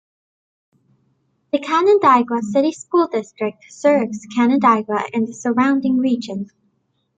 The Canandaigua City School District serves Canandaigua and the surrounding region.